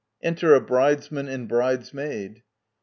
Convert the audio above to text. Enter a Bridesman and Bridesmaid.